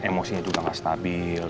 emosinya juga gak stabil